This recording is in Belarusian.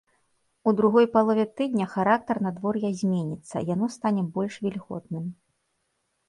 У другой палове тыдня характар надвор'я зменіцца, яно стане больш вільготным.